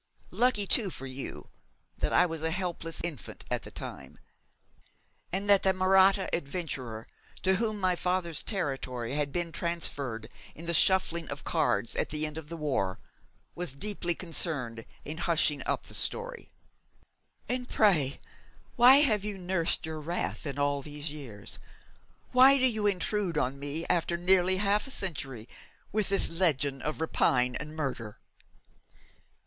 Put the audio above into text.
Lucky too for you that I was a helpless infant at the time, and that the Mahratta adventurer to whom my father's territory had been transferred in the shuffling of cards at the end of the war was deeply concerned in hushing up the story.' 'And pray, why have you nursed your wrath in all these years? Why do you intrude on me after nearly half a century, with this legend of rapine and murder?'